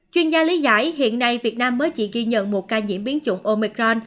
chuyên gia lý giải hiện nay việt nam mới chỉ ghi nhận một ca nhiễm chủng omicron